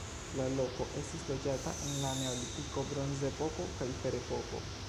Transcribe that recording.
La loko estis loĝata en la neolitiko, bronzepoko kaj ferepoko.